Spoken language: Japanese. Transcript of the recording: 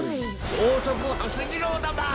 ちょうそくはす次郎だま！